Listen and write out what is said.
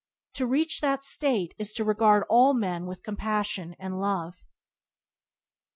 To reach that state is to regard all men with compassion and love.